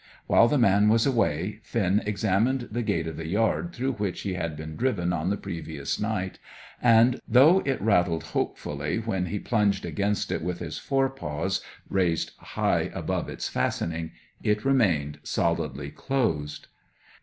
While the man was away Finn examined the gate of the yard through which he had been driven on the previous night, and, though it rattled hopefully when he plunged against it with his fore paws, raised high above its fastening, it remained solidly closed.